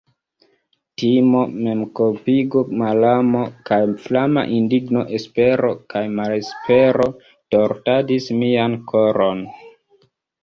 Timo, memkulpigo, malamo, kaj flama indigno, espero kaj malespero tordadis mian koron.